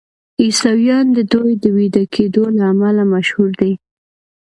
عیسویان د دوی د ویده کیدو له امله مشهور دي.